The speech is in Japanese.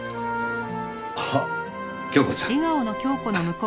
あっ杏子ちゃん。